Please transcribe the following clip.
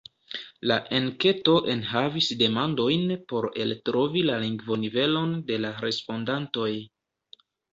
La enketo enhavis demandojn por eltrovi la lingvonivelon de la respondantoj.